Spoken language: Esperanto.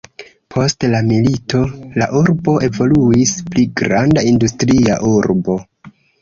Post la milito la urbo evoluis pli granda industria urbo.